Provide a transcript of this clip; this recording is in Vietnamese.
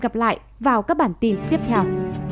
gặp lại vào các bản tin tiếp theo